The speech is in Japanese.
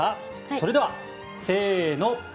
それでは、せーの。